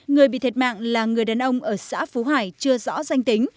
người bị thiệt mạng là người đàn ông ở xã phú hải chưa rõ danh tính